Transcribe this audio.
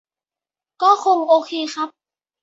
ก็คงโอเคครับ